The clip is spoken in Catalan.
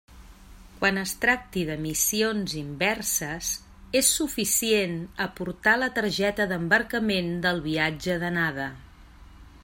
Quan es tracti de missions inverses, és suficient aportar la targeta d'embarcament del viatge d'anada.